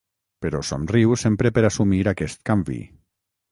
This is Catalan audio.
Però somriu sempre per assumir aquest canvi.